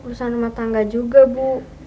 urusan rumah tangga juga bu